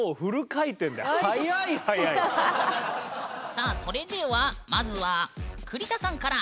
さあそれではまずは栗田さんから。